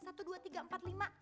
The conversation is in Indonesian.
satu dua tiga empat lima